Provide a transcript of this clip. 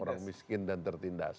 orang miskin dan tertindas